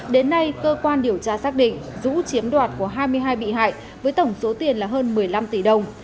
đến nay cơ quan điều tra xác định dũ chiếm đoạt của hai mươi hai bị hại với tổng số tiền là hơn một mươi năm tỷ đồng